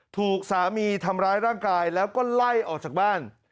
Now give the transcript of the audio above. ถูกสามีทำร้ายร่างกายแล้วก็ไล่ออกจากบ้าน